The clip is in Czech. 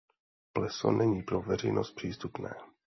Pleso není pro veřejnost přístupné.